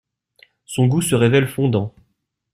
Son goût se révèle fondant.